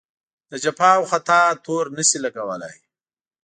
د جفا او خطا تور نه شي لګولای.